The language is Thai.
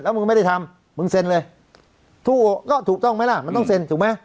มึงไม่ได้ทำมึงเซ็นเลยทู่ก็ถูกต้องไหมล่ะมันต้องเซ็นถูกไหม